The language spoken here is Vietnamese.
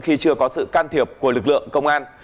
khi chưa có sự can thiệp của lực lượng công an